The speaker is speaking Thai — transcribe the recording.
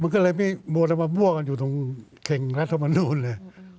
มันก็เลยมีมวดมะบวกอยู่ตรงเข่งรัฐมนุนเลย